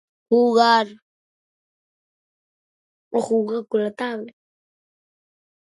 Jugar... o jugar con la tablet!